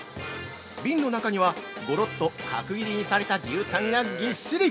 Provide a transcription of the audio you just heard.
瓶の中には、ゴロっと角切りにされた牛タンがぎっしり！